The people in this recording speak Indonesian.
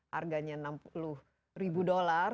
harganya enam puluh ribu dolar